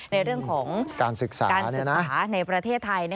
ในเรื่องของการศึกษาในประเทศไทย